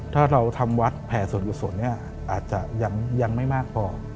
ถ้าเราทำวัดแผ่ส่วนกุศลเนี่ยอาจจะยังไม่มากพอ